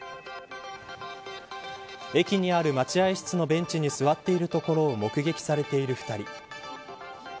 駅にある待合室のベンチに座っているところを目撃されている２人。